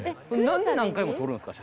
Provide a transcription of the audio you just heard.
何で何回も撮るんですか？